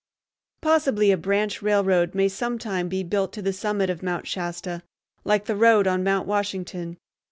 Possibly a branch railroad may some time be built to the summit of Mount Shasta like the road on Mount Washington.